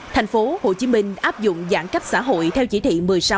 thành phố hồ chí minh áp dụng giãn cách xã hội theo chỉ thị một mươi sáu